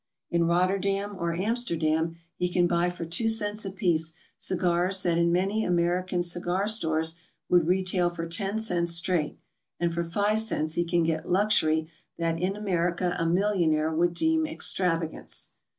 In Rotterdam or Amsterdam he can buy for two cents apiece cigars that in many American cigar stores would retail for ten cents straight; and for five cents* PERSONALITIES. 231 khe can get luxury that in America a millionaire would deem extravagance.